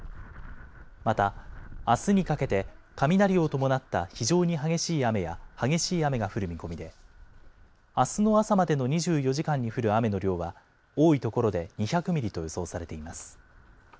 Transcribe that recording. また、あすにかけて雷を伴った非常に激しい雨や激しい雨が降る見込みで、あすの朝までの２４時間に降る雨の量は、多い所で２００ミリと予想されています。